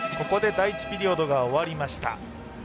ここで第１ピリオドが終わりました。